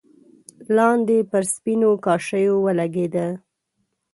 لاندې پر سپينو کاشيو ولګېده.